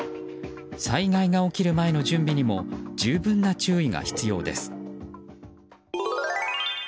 災害が起きる前の準備にも十分な注意が必要です。